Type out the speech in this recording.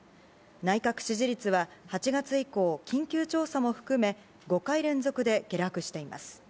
内閣支持率は８月以降、緊急調査も含め、５回連続で下落しています。